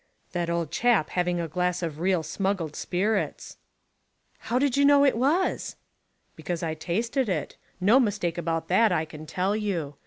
"That old chap having a glass of real smuggled spirits." "How do you know it was?" "Because I tasted it. No mistake about that, I can tell you.